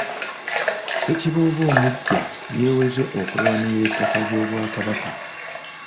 Ssekiboobo omuggya yeeweze okulwanirira ettaka ly’Obwakabaka.